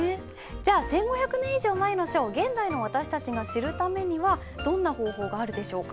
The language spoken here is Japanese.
じゃあ１，５００年以上前の書を現代の私たちが知るためにはどんな方法があるでしょうか？